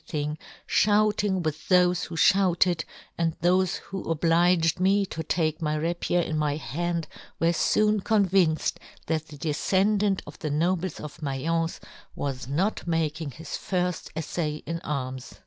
thing, fhouting with thofe who " fhouted, and thofe who obhged me " to take my rapier in my hand were " foon convinced that the defcend " ant of the nobles of Maience was " not making his firft effay in arms.